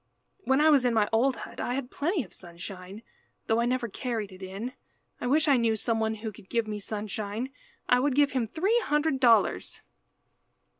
When I was in my old hut I had plenty of sunshine, though I never carried it in. I wish I knew some one who would give me sunshine. I would give him three hundred dollars."